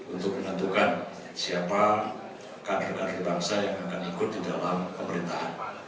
untuk menentukan siapa kader kader bangsa yang akan ikut di dalam pemerintahan